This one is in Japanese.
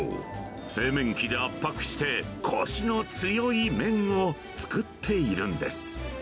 製麺機で圧迫して、こしの強い麺を作っているんです。